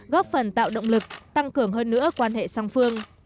góp phần tạo động lực tăng cường hơn nữa quan hệ song phương